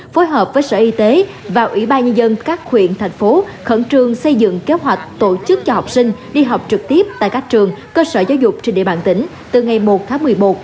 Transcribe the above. phối hợp với sở y tế và ủy ban nhân dân các huyện thành phố khẩn trương xây dựng kế hoạch tổ chức cho học sinh đi học trực tiếp tại các trường cơ sở giáo dục trên địa bàn tỉnh từ ngày một tháng một mươi một